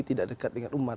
tidak dekat dengan umat